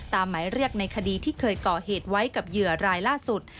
หมายเรียกในคดีที่เคยก่อเหตุไว้กับเหยื่อรายล่าสุด